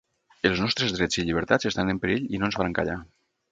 Els nostres drets i llibertats estan en perill i no ens faran callar.